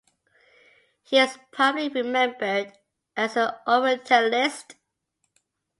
He is primarily remembered as an Orientalist.